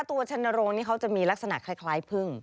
ชนโรงนี่เขาจะมีลักษณะคล้ายพึ่ง